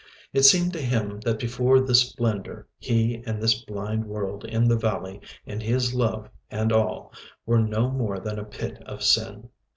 . It seemed to him that before this splendour he and this blind world in the valley, and his love and all, were no more than a pit of sin.